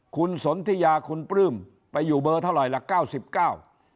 คุณสนทิยาคุณปลื้มไปอยู่เบอร์เท่าไหร่ละ๙๙